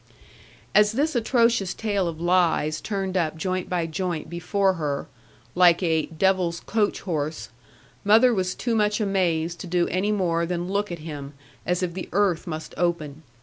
As this atrocious tale of lies turned up joint by joint before her, like a 'devil's coach horse,' * mother was too much amazed to do any more than look at him, as if the earth must open.